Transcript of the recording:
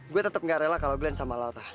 gue tetep nggak rela kalau glenn sama lara